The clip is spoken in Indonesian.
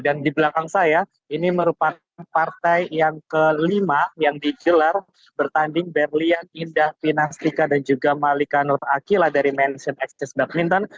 dan di belakang saya ini merupakan partai yang kelima yang dijelar bertanding berlia indah finastika dan juga malika nur akila dari manship access badminton